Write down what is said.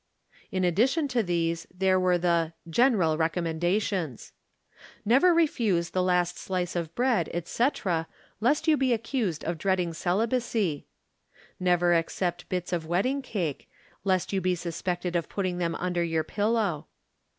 In addition to these there were the GENERAL RECOMMENDATIONS: Never refuse the last slice of bread, etc., lest you be accused of dreading celibacy. Never accept bits of wedding cake, lest you be suspected of putting them under your pillow.